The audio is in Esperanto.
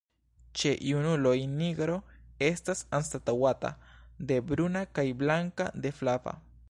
Ĉe junuloj nigro estas anstataŭata de bruna kaj blanka de flava.